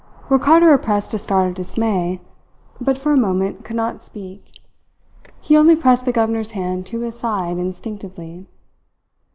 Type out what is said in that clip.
Ricardo repressed a start of dismay, but for a moment could not speak. He only pressed the governor's hand to his side instinctively.